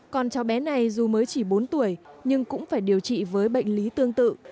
còn cháu bé này dù mới chỉ bốn tuổi nhưng cũng phải điều trị với bệnh lý tương tự